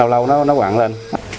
à lâu lâu nó quặng lên